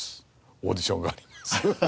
オーディションがあります」。